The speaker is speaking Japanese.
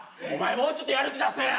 もうちょっとやる気出せや！